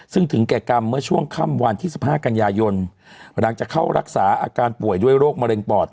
ซึ่งถึงแก่กรรมเมื่อช่วงค่ำวันที่๑๕กันยายนหลังจากเข้ารักษาอาการป่วยด้วยโรคมะเร็งปอด